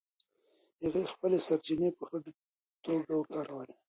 هغې خپلې سرچینې په ښه توګه وکارولې.